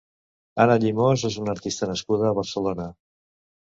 Anna Llimós és una artista nascuda a Barcelona.